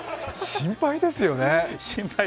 心配ですよね？